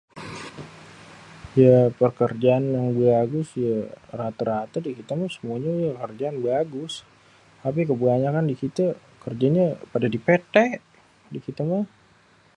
Ya pêkêrjaan yang bagus ya rata-rata di kita mah semuanya kerjaan bagus tapi kêbanyakan di kité kêrjanya pada di PT di kita mah.